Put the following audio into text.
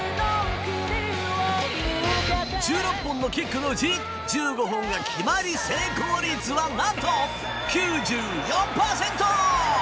１６本のキックのうち１５本が決まり成功率はなんと９４％！